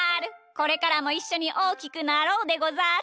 これからもいっしょにおおきくなろうでござる！